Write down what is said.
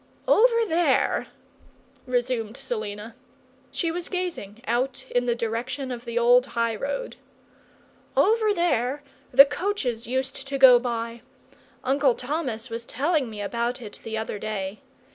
"Over there," resumed Selina she was gazing out in the direction of the old highroad "over there the coaches used to go by. Uncle Thomas was telling me about it the other day.